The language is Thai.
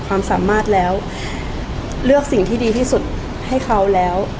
ความสามารถแล้วเลือกสิ่งที่ดีที่สุดให้เขาแล้ว